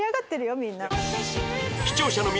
みんな。